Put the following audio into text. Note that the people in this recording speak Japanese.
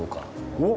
おっ！